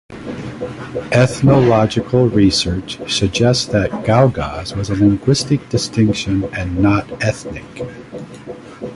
Ethnological research suggest that "Gagauz" was a linguistic distinction and not ethnic.